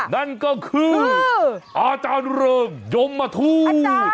นั่นก็คืออาจารย์เริงยมทูต